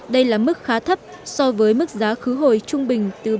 đây là mức khá thấp so với mức giá khứ hồi trung bình từ bốn trăm bốn mươi đến bốn trăm sáu mươi